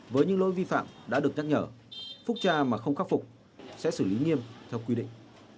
với những lỗi vi phạm đã được nhắc nhở phúc tra mà không khắc phục sẽ xử lý nghiêm theo quy định